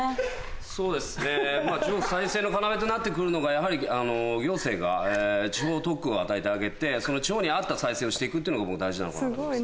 そうですね地方再生の要となって来るのがやはり行政が地方特区を与えてあげて地方に合った再生をして行くっていうのが大事なのかなと思います。